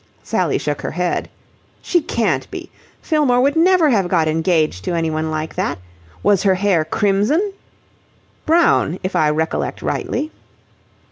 Sally shook her head. "She can't be. Fillmore would never have got engaged to anyone like that. Was her hair crimson?" "Brown, if I recollect rightly."